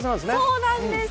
そうなんです